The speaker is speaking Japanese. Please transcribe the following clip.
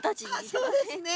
そうですね。